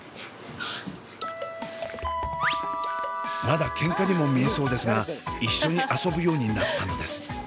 まだケンカにも見えそうですが一緒に遊ぶようになったのです。